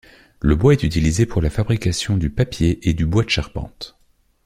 Le bois est utilisé pour la fabrication du papier et du bois de charpente.